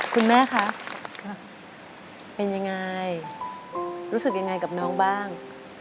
คุณแม่คะเป็นยังไงรู้สึกยังไงกับน้องบ้าง